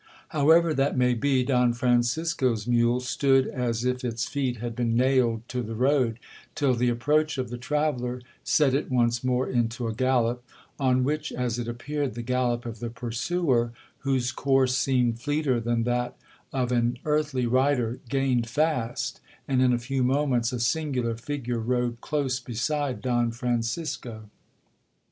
However that may be, Don Francisco's mule stood as if its feet had been nailed to the road, till the approach of the traveller set it once more into a gallop, on which, as it appeared, the gallop of the pursuer, whose course seemed fleeter than that of an earthly rider, gained fast, and in a few moments a singular figure rode close beside Don Francisco.